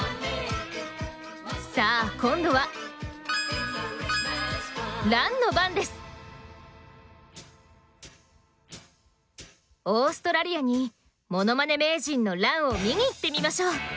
さあ今度はオーストラリアにモノマネ名人のランを見に行ってみましょう！